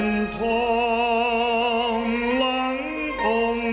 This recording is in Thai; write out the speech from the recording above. ไม่ได้ชีวภาษาสิ้นไป